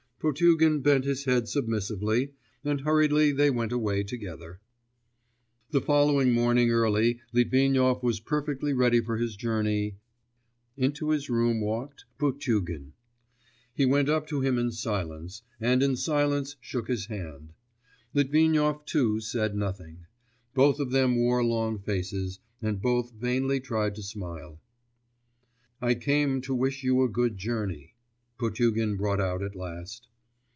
Potugin bent his head submissively, and hurriedly they went away together. The following morning early Litvinov was perfectly ready for his journey into his room walked ... Potugin. He went up to him in silence, and in silence shook his hand. Litvinov, too, said nothing. Both of them wore long faces, and both vainly tried to smile. 'I came to wish you a good journey,' Potugin brought out at last.